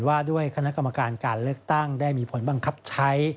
ว่าด้วยคณะกรรมการการเลือกตั้งได้มีผลบังคับใช้